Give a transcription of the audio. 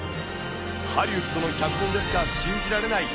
ハリウッドの脚本ですら信じられない。